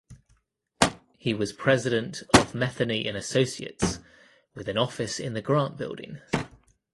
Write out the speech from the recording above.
He was president of Metheny and Associates with an office in the Grant Building.